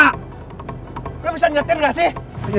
kalian bisa ngetir tidak sih